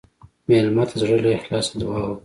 مېلمه ته د زړه له اخلاصه دعا وکړه.